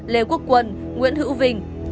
lê quốc quân nguyễn hữu vinh